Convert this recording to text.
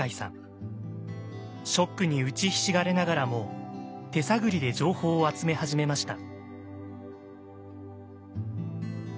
ショックに打ちひしがれながらも手探りで情報を集め始めました。